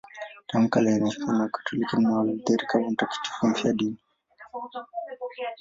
Tangu kale anaheshimiwa na Wakatoliki na Walutheri kama mtakatifu mfiadini.